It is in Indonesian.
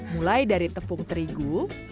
mulai dari tepung terigu